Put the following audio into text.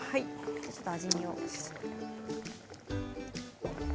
ちょっと味見を。